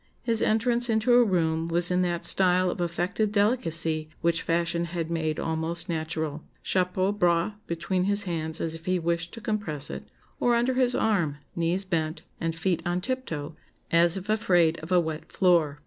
His entrance into a room was in that style of affected delicacy which fashion had made almost natural chapeau bras between his hands as if he wished to compress it, or under his arm, knees bent, and feet on tiptoe, as if afraid of a wet floor.